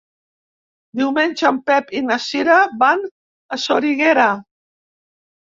Diumenge en Pep i na Cira van a Soriguera.